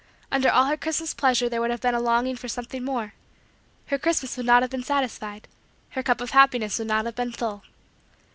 Under all her Christmas pleasure there would have been a longing for something more. Her Christmas would not have satisfied. Her cup of happiness would not have been full.